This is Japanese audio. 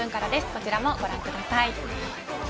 こちらもご覧ください。